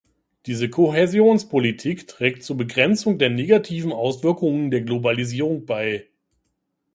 Diese Kohäsionspolitik trägt zur Begrenzung der negativen Auswirkungen der Globalisierung bei.